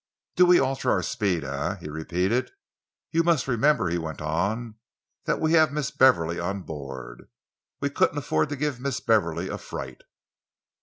"Do we alter our speed, eh?" he repeated. "You must remember," he went on, "that we have Miss Beverley on board. We couldn't afford to give Miss Beverley a fright."